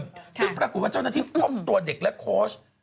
ซึ่งปรากฏว่าเจ้าหน้าที่พบตัวเด็กและโค้ช